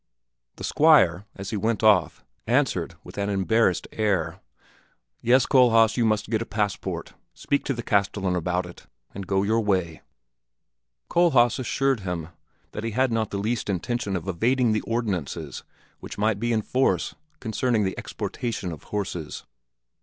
The Squire, as he went off, answered with an embarrassed air, "Yes, Kohlhaas, you must get a passport. Speak to the castellan about it, and go your way." Kohlhaas assured him that he had not the least intention of evading the ordinances which might be in force concerning the exportation of horses.